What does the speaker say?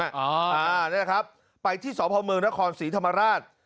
อ๋อนี่แหละครับไปที่สวพเมืองนครสีธรรมราช